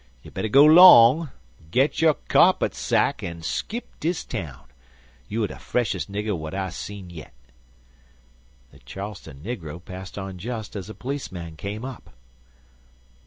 You better go long an' git yo' kyarpet sack and skip de town. You er de freshest nigger w'at I seen yit." The Charleston negro passed on just as a police man' came up.